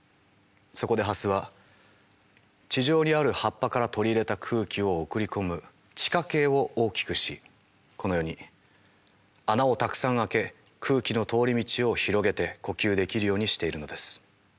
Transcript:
そこでハスは地上にある葉っぱから取り入れた空気を送り込む地下茎を大きくしこのように穴をたくさん開け空気の通り道を広げて呼吸できるようにしているのです。